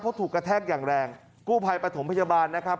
เพราะถูกกระแทกอย่างแรงกู้ภัยปฐมพยาบาลนะครับ